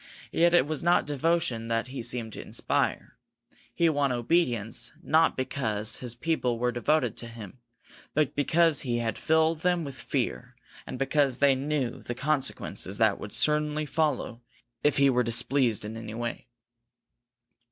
Yet it was not devotion that he seemed to inspire. He won obedience, not because his people were devoted to him, but because he had filled them with fear, and because they knew the consequences that would certainly follow if he were displeased in any way.